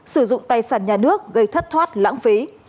sử dụng tài sản nhà nước gây thất thoát lãng phí